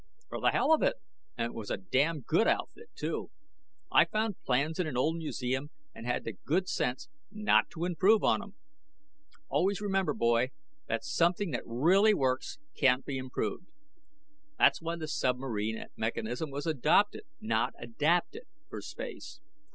"For the hell of it, and it was a damned good outfit, too. I found plans in an old museum, and had the good sense not to improve on 'em. Always remember, boy, that something that really works can't be improved. That's why the submarine mechanism was adopted not adapted for space.